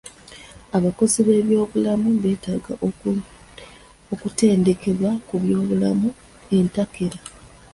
Abakozi b'ebyobulamu beetaga okutendekebwa ku byobulamu entakera.